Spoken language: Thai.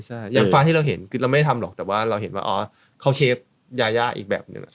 ใช่อย่างฟ้าที่เราเห็นคือเราไม่ได้ทำหรอกแต่ว่าเราเห็นว่าอ๋อเขาเชฟยายาอีกแบบหนึ่ง